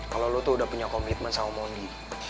kalau lo tuh udah punya komitmen sama mondi